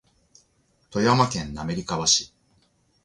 富山県滑川市